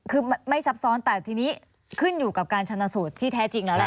คือไม่ซับซ้อนแต่ทีนี้ขึ้นอยู่กับการชนสูตรที่แท้จริงแล้วแหละ